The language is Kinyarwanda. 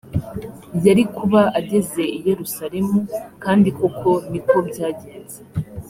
yari kuba ageze i yerusalemu kandi koko ni ko byagenze